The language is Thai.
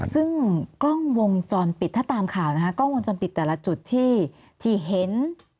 ซึ่งกล้องวงจรปิดถ้าตามข่าวนะคะกล้องวงจรปิดแต่ละจุดที่เห็น